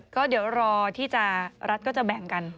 ก็เดี๋ยวรอที่รัฐก็จะแบ่งกัน